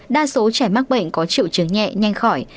đa số trẻ mắc bệnh có triệu chứng nhẹ nhanh khỏi